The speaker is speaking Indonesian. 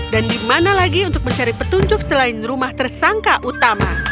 dan di mana lagi untuk mencari petunjuk selain rumah tersangka utama